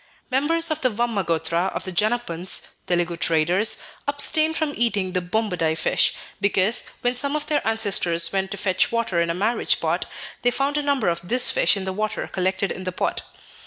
Members of the Vamma gotra of the Janappans (Telugu traders) abstain from eating the bombadai fish, because, when some of their ancestors went to fetch water in a marriage pot, they found a number of this fish in the water collected in the pot.